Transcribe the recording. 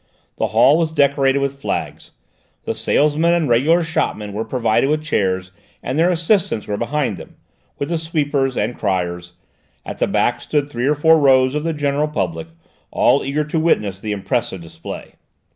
The hall was decorated with flags; the salesmen and regular shopmen were provided with chairs, and their assistants were behind them, with the sweepers and criers; at the back stood three or four rows of the general public, all eager to witness the impressive display.